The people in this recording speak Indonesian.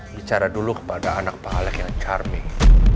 bicara dulu kepada anak pak alek yang charming